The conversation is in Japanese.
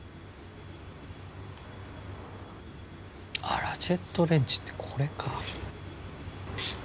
あっラチェットレンチってこれか。